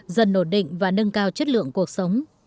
dần nổ định và nâng cao chất lượng cuộc sống